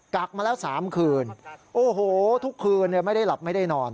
ักมาแล้ว๓คืนโอ้โหทุกคืนไม่ได้หลับไม่ได้นอน